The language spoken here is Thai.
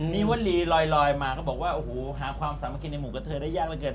นี้ว่าลีลอยมาก็บอกว่าหาความสามารถกินในหมูกระเทยได้ยากจนเกิน